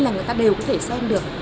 là người ta đều có thể xem được